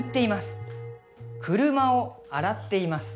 「車を洗っています」